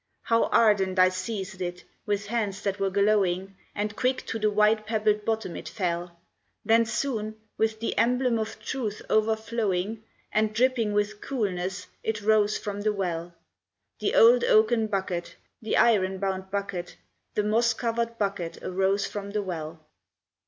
How ardent I seized it, with hands that were glowing, And quick to the white pebbled bottom it fell; Then soon, with the emblem of truth overflowing, And dripping with coolness, it rose from the well The old oaken bucket, the iron bound bucket, The moss covered bucket arose from the well.